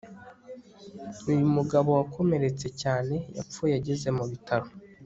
uyu mugabo wakomeretse cyane yapfuye ageze mu bitaro